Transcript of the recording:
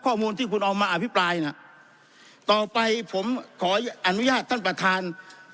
ข้อมูลที่คุณเอามาอภิปรายน่ะต่อไปผมขออนุญาตท่านประธาน